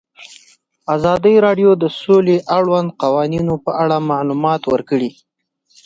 ازادي راډیو د سوله د اړونده قوانینو په اړه معلومات ورکړي.